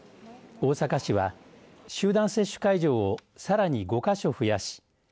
大阪市は集団接種会場をさらに５か所増やし